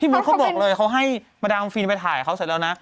พี่มดเขาบอกเลยเขาให้มาดามอล์มฟิลล์ไปถ่ายเขาเสมอแล้วนะ